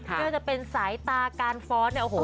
เกิดจะเป็นสายตาการฟ้อนท์